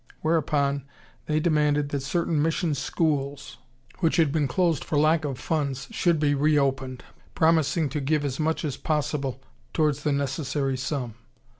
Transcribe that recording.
Whereupon they demanded that certain mission schools which had been closed for lack of funds should be re opened, promising to give as much as possible towards the necessary sum.